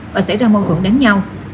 và xảy ra mâu thuẫn đánh nhau